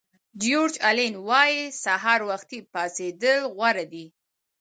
جیورج الین وایي سهار وختي پاڅېدل غوره دي.